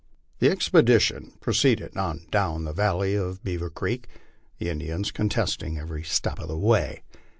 The expedition proceeded on down the valley of Beaver creek, the Indians contesting every step of the way.